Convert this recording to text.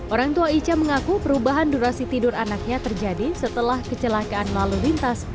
orang tua ica mengaku perubahan durasi tidur anaknya terjadi setelah kecelakaan lalu lintas